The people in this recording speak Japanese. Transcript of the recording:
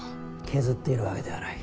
削っているわけではない。